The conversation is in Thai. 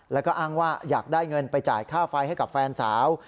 แล้วก็อ้างว่าอยากได้เงินไปจ่ายค่าไฟให้กับแฟนสาว